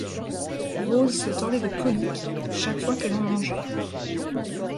Rose se tordait de coliques, chaque fois qu’elle en mangeait.